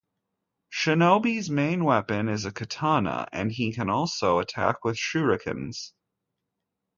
Shinobi's main weapon is a katana, and he can also attack with shurikens.